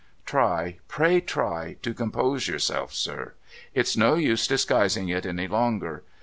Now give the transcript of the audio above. Try, pray try, to compose yourself, sir ! It's no use disguising it any longer.